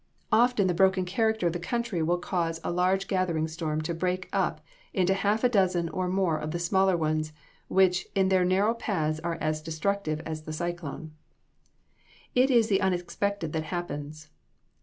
Often the broken character of the country will cause a large gathering storm to break [Illustration: WHERE THE STORM ENTERED LOUISVILLE.] up into half a dozen or more of the smaller ones, which, in their narrow paths are as destructive as the cyclone. It is the unexpected that happens.